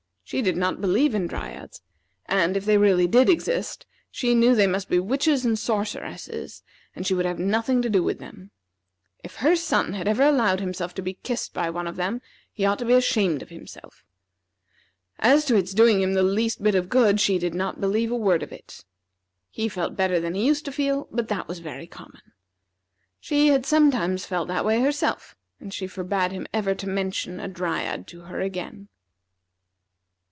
She did not believe in Dryads; and, if they really did exist, she knew they must be witches and sorceresses, and she would have nothing to do with them. If her son had ever allowed himself to be kissed by one of them, he ought to be ashamed of himself. As to its doing him the least bit of good, she did not believe a word of it. He felt better than he used to feel, but that was very common. She had sometimes felt that way herself, and she forbade him ever to mention a Dryad to her again.